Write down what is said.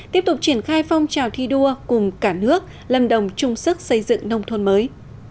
tiếp tục triển khai phong trào thi đua cùng cả nước lâm đồng chung sức xây dựng nông thôn mới